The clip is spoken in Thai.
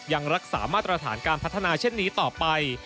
ยังรักษามาตรฐานการพัฒนาเช่นนี้ต่อไป